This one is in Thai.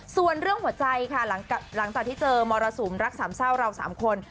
ส่วนเรื่องหัวใจค่ะหลังจากที่เจอมรสุมรักสามเศร้าเราสามคน